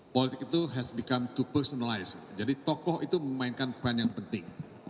politics itu has become too personalized jadi tokoh itu memainkan peran yang penting